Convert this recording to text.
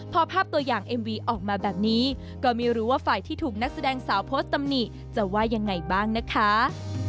พอภาพตัวอย่างเอ็มวีออกมาแบบนี้ก็ไม่รู้ว่าฝ่ายที่ถูกนักแสดงสาวโพสต์ตำหนิจะว่ายังไงบ้างนะคะ